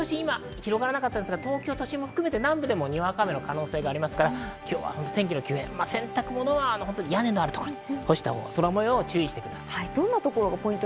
東京都心も含めて、南部でもにわか雨の可能性がありますから、今日はお天気の急変、洗濯物は屋根のあるところに干したほうが空模様に注意してください。